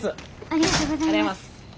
ありがとうございます。